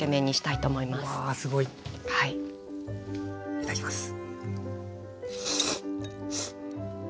いただきます。